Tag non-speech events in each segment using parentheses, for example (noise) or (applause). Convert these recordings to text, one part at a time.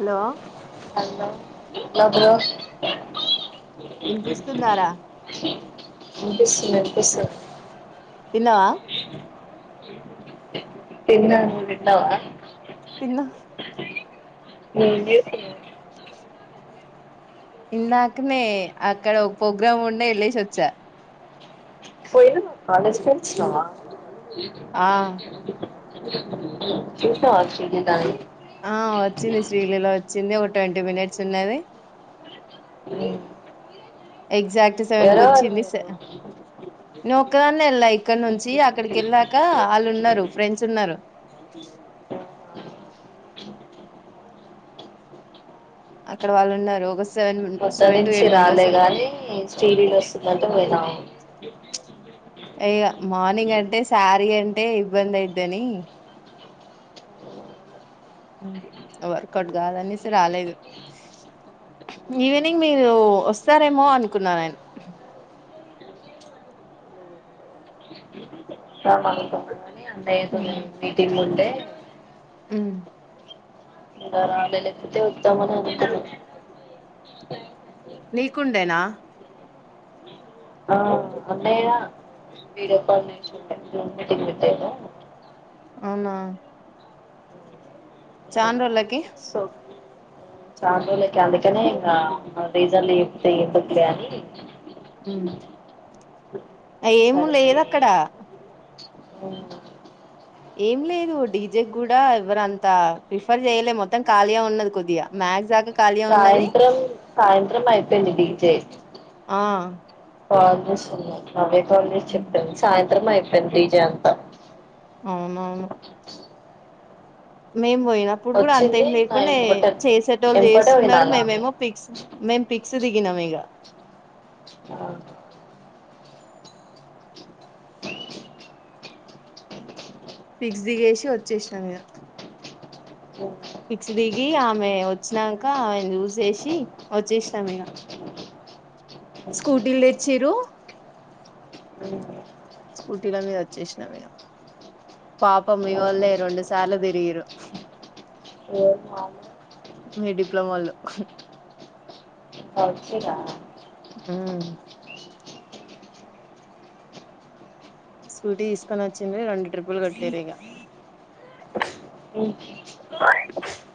Hello లోబలు వినిపిస్తున్నారా బస్తు మపిస్ తన్నవా తన్న వింటవా తిన్న న ఇందాకనే అక్కడ ఒక ప్రోగ్రామ్ ఉండే వెళ్ళసి వచ్చా ఇ ఎ కాాలేజ్ పెంచకుమా ఏ ఆ ఏత వచ్చదిదానీ ఆ వచ్చింది శ్రీలీల వచ్చింది ఒక ట్వంటీ మినిట్స్ ఉన్నది ఈ ఎగ్జాక్ట్ సెవెన్ క వచ్చింది నేను ఒక్కదాన్న వెళ్ళా ఇక్కడ నుంచి అక్కడికి వెళ్ళాక వాళ్ళు ఉన్నారు ఫ్రెండ్స్ ఉన్నారు అక్కడ వాళ్ళు ఉన్నారు ఒక సెవెన్ మొత్త సెవెన్ టు నుంచి ఎయిట్ రాలే మెంబర్స్ ఉన్నారు గాని స్టీడీలు వస్తున్నట్టు పోయినాము (inaudible) ఇగా మార్నింగ్ అంటే శారీ అంటే ఇబ్బంది అయిద్దని వర్కౌట్ కాదనేసి రాలేదు ఈవినింగ్ మీరు వస్తారేమో అనుకున్నా నేను (unintelligible) అందయే (unintelligible) ముంటే (inaudible) హ్మ్ ఇంగ రాలే లేకతే ఉత్తమనగుతారు నీకుండేనా ఆ అన్నయ్యా వీడియో కాల్ చేసిండే జూమ్ మీటింగ్ పెట్టిండా అవునా యా చాన్ రోలకి ఇట్స్ ఓ కి చాన్ రోజులకీ అందుకనే ఇంగా రీసన్లు చెప్తే ఎందుకులే అని అ ఏము లేదు అక్కడ అవునన్ ఏం లేదు డీజే కూడా ఎవ్వరంతా ప్రిఫర్ చేయలే మొత్తం ఖాళీగా ఉన్నది కొద్దిగా మ్యాజ్ దాకా ఖాళీగా ఉన్నది సాయంత్రం సాయ్ మ్ యింత్రం అయిపోయింది డిజే ఆ వాటర్ స్తున్నాయి నవ్య కాల్ చేసి ఉమ్. చెప్పిన్ సాయిన్ త్రం అయిపాన్ డీజే అంతా అవునవును మేమ్ పోయినప్పుడు కూడా వచ్చింది అంతేం నా లేకుండే ఎంబట చేసేటోళ్ళు ఎంబటే చేస్తున్నారు పోయినాల ఆమె మేమేమో పిక్స్ మే పిక్స్ దిగినాం ఇగా అ ఫిక్స్ దిగేసి వచ్చేసినాం ఇగ పిక్స్ దిగి ఆ మ్ ఆమె వచ్చినాక ఆమె జూసేసి వచ్చేసినాం ఇగా స్కూటీల్ తెచ్చిరు స్కూటీల మీద వచ్చేసినాం ఇగ పాపం మీ వాళ్ళే రెండు సార్లు తిరిగిరు మీ డిప్లొమోళ్ళు వచ్చిరా హూ స్కూటీ తీసుకొని వచ్చిండ్రు రెండు ట్రిప్పులు కొట్టిర్రు ఇగ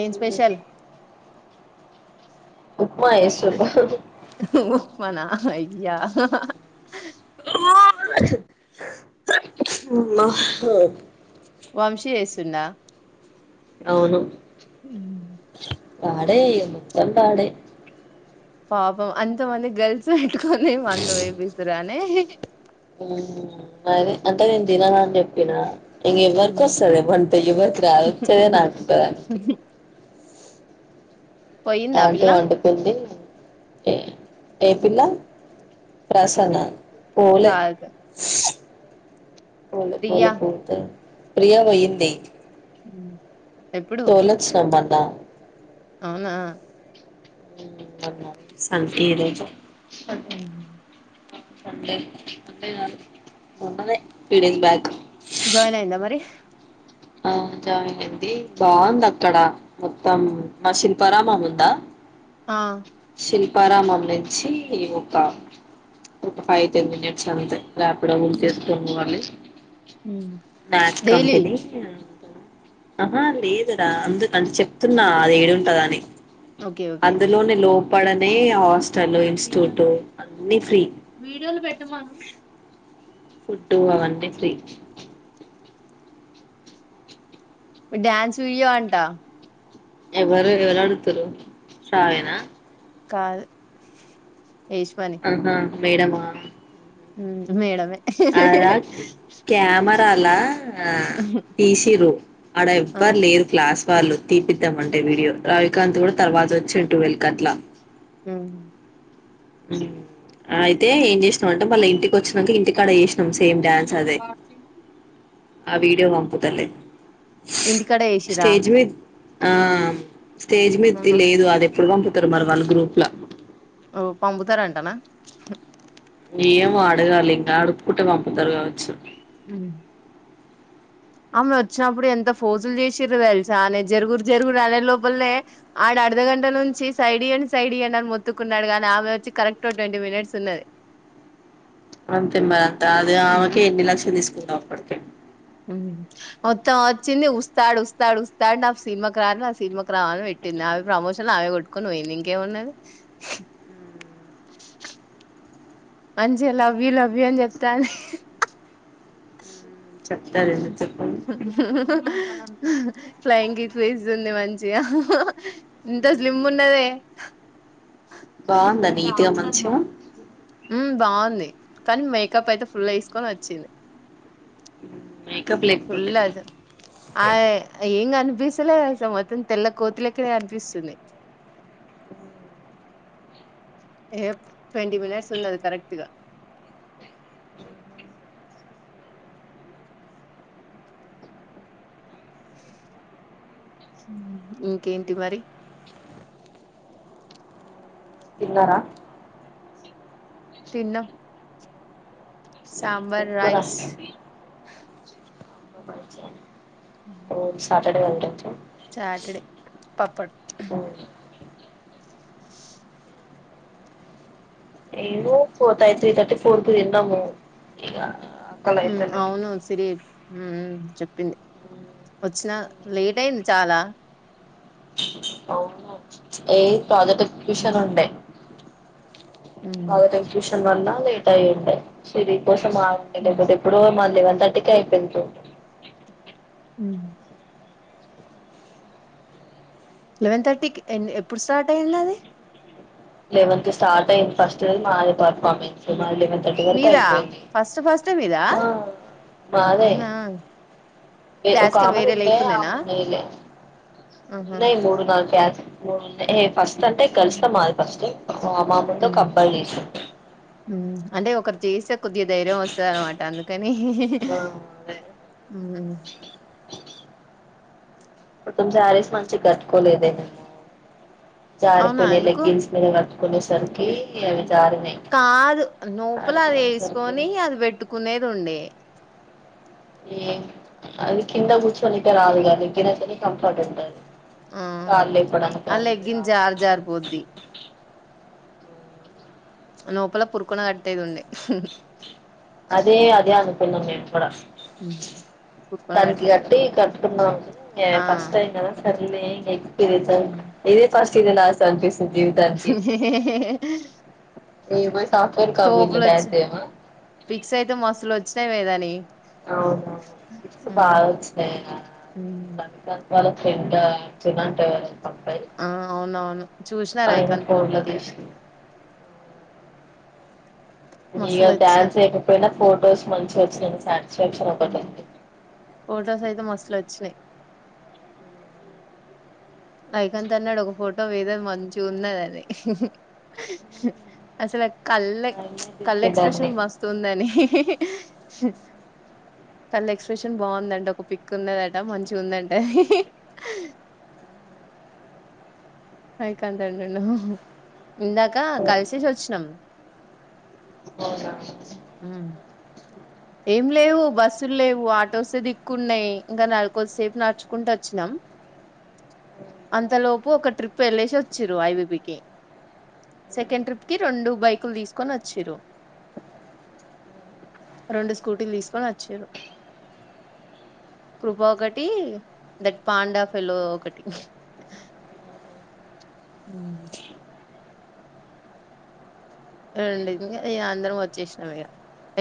ఏం స్పెషల్ మాయసూర్ ఉప్మా నా అయ్యా మా హూ వంశీ చూస్తుండా అవును ఉమ్ పాడే య్య మోత్తం పాడే పాపం అంత మంది గర్ల్స్ పెట్టుకొని ఏం అంత బయపిస్తురా నే అదే అంటే నేను తినాల అని చెప్పిన (unintelligible) పోయిందా అలాంటి పిల్ల వండుకుంది ఏపిల్ల ప్రసన్న పోలే కాదు పోలే ప్రియా పోలే పోత ప్రియ పుయ్యింది ఉ తోల సబన్ ద అవునా సంత ఈరోజు ఉమ్ సండే సండే కాదు మొన్ననే త్రి డేస్ బ్యాక్ జాయిన్ అయిందా మరి ఆ జాయిన్ అయింది బాగుంది అక్కడ మొత్తం ఆ శిల్పారామం ఉందా ఆ పరామం నుంచి ఈ ఒక ఒక ఫైవ్ టెన్ మినిట్స్ అంతే ర్యాపిడో బుక్ చేసుకొని పోవాలి మ్యాచ్ డైలీ కంపెనీ ఆహా లేదురా అందుకని చెప్తున్నా అది ఏడుంటది అని ఓకే ఓకే అందులోనే లో పడనే హస్ తను ఇన్స్టిట్యూట్ అన్ని ఫ్రీ వీడియోలు పెట్టమను ఫుడ్ అన్ని ఫ్రీ డ్యాన్స్ వీడియో అంటా ఎవరు ఎవరు ఆడుతారు సాయి న కాల్ ఎశ్వాన్ ఆహా మేడమా మేడమే అడ కెమెరాల తీసిరు అడ ఆ! ఎవ్వరు లేరు క్లాస్ వాళ్లు తీపిద్దామంటే వీడియో రవికాంత్ కూడ తర్వాత వచ్చింటు టవల్కి అట్ల ఉ అయితే ఏం చేసినాం అంటే మళ్ళా ఇంటికి వచ్చినాక ఇంటికాడ చేసినాం సేమ్ డ్యాన్ ప ఆ వీడియో పంపుతాలే ఇంటికడ ఎసిర ఆ స్టేజ్ మీద లేదు అది ఎప్పుడు తిరుమల్ వాల్ గ్రూప్ల ఓ పంపుతారంటన ఏమో అడగాలి ఇంకా అడుకుంటే పంపుతారు కావచ్చు మ్ ఆమె వచ్చినప్పుడు ఎంత ఫోజలు చేసిరో తెలుసా, అ జరుగురు జరుగురు అనే లోపలనే ఆ అర్ధగంట నుంచి సైడ్ ఇయ్యండి సైడ్ ఇయ్యండి అని మొతుకున్నాడు కాని, ఆమె వచ్చి కరెక్ట్ ట్వంటీ మినిట్స్ ఉన్నది అంతే మర అది ఆమె కె హ్మ్. ఎన్ని లక్షలు తీసుకో అప్పుడుకే మొత్తం వచ్చింది ఉస్తాడు ఉస్తాడు ఉస్తాడు, నాకు సినిమాకు రాల నా సినిమాకు రావని పెట్టింది, ఆమె ప్రమోషన్ ఆమె కొట్టుకోని పోయింది ఇంకేమున్నది, మంచి లవ్ యు లవ్ యు అని చెప్తాంది చెప్తా నేను (unintelligible) ఫ్లయింగ్ కిస్ లు ఇస్తుంది మంచిగా ఇంత స్లిమ్ ఉన్నదే బావుందా నీట్గా మంచిగా హ్మ్మ్ బాగుంది కానీ మేకప్ అయితే ఫుల్ వేసుకొని వచ్చింది మేకప్ లేకపోతే ఫుల్ ఆజా ఆ ఏంగాని బిసలేసలు మొత్తం తెల్ల కోతిలెక్కనే ఎక్కడే కనిపిస్తుంది ఏ ట్వంటీ మినట్స్ ఉన్నాది కరెక్ట్గా ఇంకేంటి మరి తిన్నారా తిన్న ఏం కూర రైస్ (unintelligible) ఓన్లీ సా (unintelligible) చాటడే పప్పడు ఈరోజు ఏను ఫోర్త్ యి త్రీ థర్టీ ఫోర్ కి తిన్నాము ఇగా ఉం అవును సిరి చెప్ ప్పింది వచ్చిన లేట్ అయింది చాలా అవును ఏ ప్రాజెక్ట్ ఎక్యూషన్ ఉమ్ ఉండే ఉమ్ ప్రాజెక్ట్ ఎక్యూషన్ వల్ల లేట్ అయ్యిండే సిరి కోస ఉమ్ లేపోతేప్పుడో మల్లె థర్టీ కే అయిపోయిందీ ఉం లెవెన్ థర్టీకి ఎ ఎప్పుడు స్టార్ట్ అయ్యింది అది లెవెన్ కీ స్టార్ట్ అయింది ఫస్ట్ మాది పర్ఫార్మెన్స్ మాదీ లీవెన్ థర్టీ వరకు మీదా? అయిపోయింది. ఫస్ట్ ఫస్టే మీదా? ఆ మాదే అవునా! ఒక క్లాసికల్ ఆమెది వేరే ఉండే లేకుండేనా? ఆమె వెయ్యిలే ఆహా! ఉన్నాయి. మూడు నాలుగు క్లాస్ (unintelligible) ఫస్ట్ అంటే హ్మ్. కలుస్తా మా ఏ ఆ మా ముందు హ్మ్. ఒకబ్బాయి చేసిండు చేసత్ కొద్దిగ ధైర్యం వస్తది అనమాటా అందుకు ఉ ఆ అదే పటుమ్ సారీస్ మంచిగ కట్టుకోలేదేమో అవునా జారిపోయే ఎందుకు? లెగ్గిన్స్ మీ వా కొనేసర్కి అది కాదు లోపల అది ఆడకునేసరికి వేసుకొని అది పెట్టుకునేది ఉండే ఏ అది కింద కుచోనిక రాదుగా అది గినచనే కంఫర్ట్ ఉంటది ఆ కాళ్ళు లేపడానికి అవి ఇవి అలెగ్గిన్ రావు జార్ జారు పోద్ది లోపల పురుకున కట్టేది ఉండే అదే అదాను న్నాం నేను కూడా హు దానికి కట్టి కట్టుకున్నాం ఆ! ఫస్ట్ టైం కద సరే నే నీకు ఇదే పస్ హ్మ్. ఇదే పస్ట్ చిన నా చంపేసి ఏ మ తోపులు వచ్ ఫిక్స్ అయితే మసలు వచ్చి తేమేదాని అవునవును గిఫ్ట్స్ బాగ వచ్చినాయి ఉమ్ కదా వాళ్ళు ఎంత చన్నంతేవా ఆ అవునవును చూసినార ఆయన ఐకాన్ ఫోన్ లో ఫోన్లా తీసిండు మస్తులు ఇక వచ్చినాయి డ్యాన్స్ ఏకపోయినా ఫొటోస్ మంచిగ వచ్చినయ్ ఉమ్ ఫోటోసైతే మస్త్. ట్లొచ్చినయ్. వైకాంతన్నాడు ఒక ఫోటో వేదో మంచిగుంన్నదని అసల. కల్లయ్ చ్ ఆయన్నే తిప్పిండు అన్ని కల్లెక్స్ప్రెషన్ మస్తుందని. తల్లెక్స్ప్రెషన్ బాందంట ఒక పిక్ ఉన్నదట మంచిగుందంట. ఐ కాంటంటను. ఇందాక కల్సేసొచ్చినం. ఔనా. ఉమ్ ఏం లేవు బస్సుల్లేవు ఆటోసేదిక్కున్నాయ్ ఇంక నల్కొద్సేప్ నడ్చుకుంటొచ్చినాం అంతలోపు ఒక ట్రిప్ప్ యెళ్ళేసి వచ్చిర్రు ఐవీబీకి సెకండ్ ట్రిప్కి రొండు బైకుల్ దీస్కొనొచ్చిర్రు. రొండు స్కూటీల్ దీస్కొనొచ్చిర్రు కృపా ఒకటీ దట్ పాండా ఫెలో ఒకటి. ఉమ్ రండింగ ఇగ అందరమొచ్చేష్నామిగ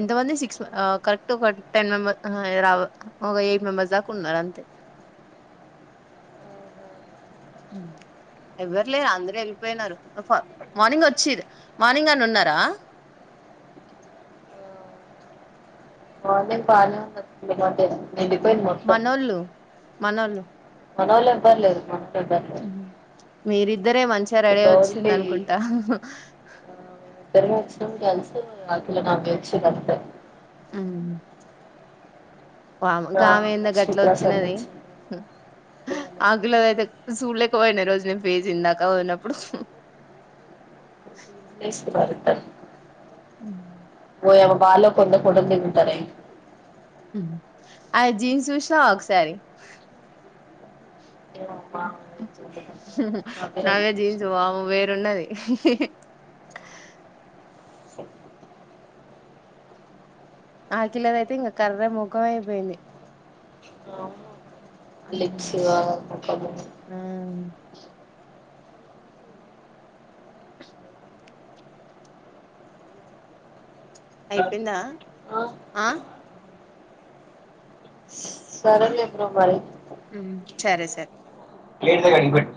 ఎంతమంది సిక్స్మె కరెక్ట్ వన్ టెన్ మెంబెర్ హ ఇ రావు అహ ఒగ ఎయ్ట్ మెంబర్స్ దాకున్నరంతే. ఉమ్ ఎవ్వర్ లే అందురెళ్ళిపోయ్నారు మ ఫా మార్నింగొచ్చిర్రు మార్నింగనున్నారా. (unintelligible) నే డిపెండ్ మొత్తం. మనోల్లు. మనోల్లెవ్వర్లేరు మన. మీరిద్దరే మంచిగ ఓన్లీ రెడైవొచ్చిందనుకుంటా. ఇద్దమొచ్చినం కల్సి అట్ల నవ్విచ్చిర్రంతే. ఉమ్ వామ్ ఆ లక్ష్మీ ప్రసాద్ గామెందగట్లొచ్చినది తెచ్చింది ఆకులదైతే. సూల్లేకబోయ్న ఈ రోజు నేను ఫేసు ఇందాక పొయ్నప్పుడు. ప్లేస్లు మారుద్దాం ఉమ్ వొ బాలో కొందు కొడు తింటరే. ఉమ్ అ జీన్స్ జూష్నవా ఒకసారి. ఏమో మా నా పేరు అడిగి నావె జీన్స్ చూసాను వామో వేరున్నది. ఆకిలదైతే ఇంగ కర్రె మొకమైపోయింది. హిప్స్ ఆమె మొకము. ఆ అయ్పొయ్ందా ఆ, ఆ. స్వరేలింగ మరి ఉమ్ చరే సర్ లేట్గా కనిపట్టు